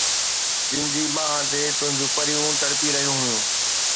جن جي ٻانهن تي تنهنجون پريون تڙپي رهيون هيون